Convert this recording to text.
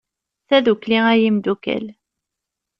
Tadukli, ay imdukal!